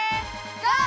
ゴー！